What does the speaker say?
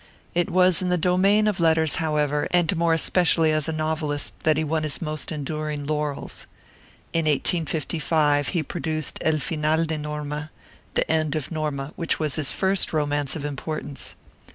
It was in the domain of letters, however, and more especially as a novelist, that he won his most enduring laurels. In 1855 he produced 'EL Final de Norma' (The End of Norma), which was his first romance of importance.